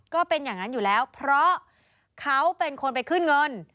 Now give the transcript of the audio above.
ก็เป็นอย่างนั้นอยู่แล้วเพราะเขาเป็นคนไปขึ้นเงิน